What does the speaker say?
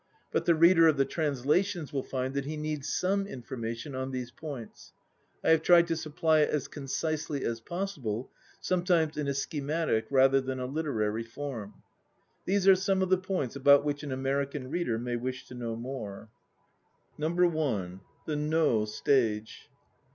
But the reader of the translations will find that he needs some information on these points. I have tried to supply it as concisely as possible, some times in a schematic rather than a literary form. These are some of the points about which an American reader may wish to know more: (1) THE NO STAGE.